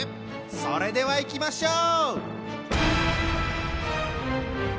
それではいきましょう！